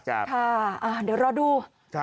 เดี๋ยวรอดู